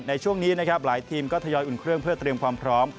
ในช่วงนี้นะครับหลายทีมก็ทยอยอุ่นเครื่องเพื่อเตรียมความพร้อม